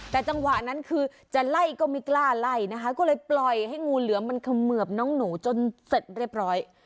แต่จังหวะนั้นคือจะไล่ก็ไม่กล้าไล่นะคะก็เลยปล่อยให้งูเหลือมมันเขมือบน้องหนูจนเสร็จเรียบร้อย